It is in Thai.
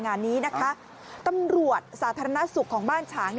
งานนี้นะคะตำรวจสาธารณสุขของบ้านฉาง